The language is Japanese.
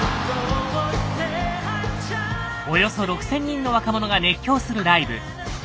およそ６，０００人の若者が熱狂するライブ。